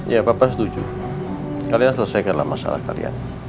ya papa setuju kalian selesaikanlah masalah kalian